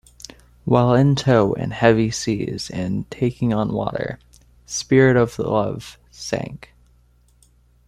While in tow in heavy seas and taking on water, "Spirit of Love" sank.